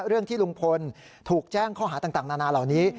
เรื่องที่ลุงพลถูกแจ้งข้อหาต่างนานาเหล่านี้